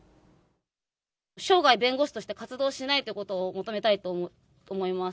生涯、弁護士として活動しないということを求めたいと思います。